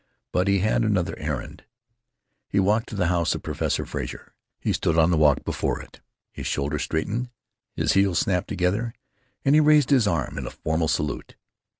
But he had another errand. He walked to the house of Professor Frazer. He stood on the walk before it. His shoulders straightened, his heels snapped together, and he raised his arm in a formal salute.